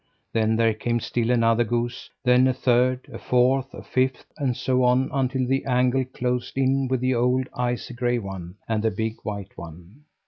Then there came still another goose; then a third; a fourth; a fifth; and so on, until the angle closed in with the old ice gray one, and the big white one.